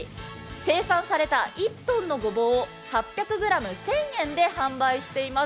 生産された１ｔのごぼうを８００ｇ１０００円で販売しています。